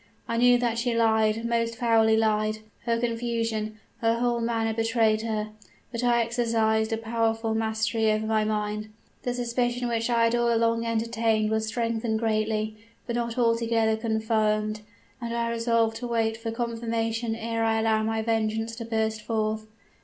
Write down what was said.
I knew that she lied, most foully lied: her confusion, her whole manner betrayed her. But I exercised a powerful mastery over my mind; the suspicion which I had all along entertained was strengthened greatly, but not altogether confirmed; and I resolved to wait for confirmation ere I allowed my vengeance to burst forth.